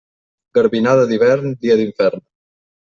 Garbinada d'hivern, dia d'infern.